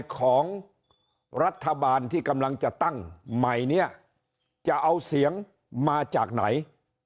ของรัฐบาลที่กำลังจะตั้งใหม่เนี่ยจะเอาเสียงมาจากไหน